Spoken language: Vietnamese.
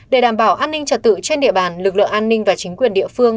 để đảm bảo an ninh trật tự trên địa bàn lực lượng an ninh và chính quyền địa phương